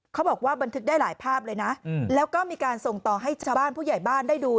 เขาบอกว่าบันทึกได้หลายภาพเลยนะแล้วก็มีการส่งต่อให้ชาวบ้านผู้ใหญ่บ้านได้ดู